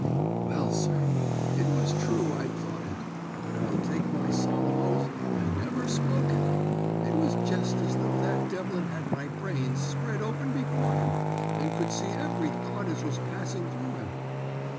"Well, sir, it was true I'd thought it, but I'll take my solemn oath I never spoke it. It was jest as though that Devlin had my brains spread open before him, and could see every thought as was passing through 'em.